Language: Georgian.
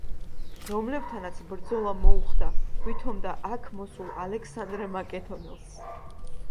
რომლებთანაც ბრძოლა მოუხდა ვითომდა აქ მოსულ ალექსანდრე მაკედონელს.